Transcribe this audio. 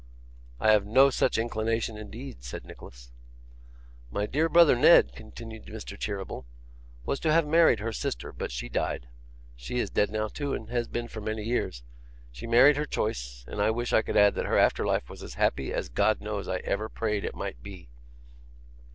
'I have no such inclination, indeed,' said Nicholas. 'My dear brother Ned,' continued Mr. Cheeryble, 'was to have married her sister, but she died. She is dead too now, and has been for many years. She married her choice; and I wish I could add that her after life was as happy as God knows I ever prayed it might be!